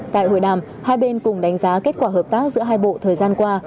tại hội đàm hai bên cùng đánh giá kết quả hợp tác giữa hai bộ thời gian qua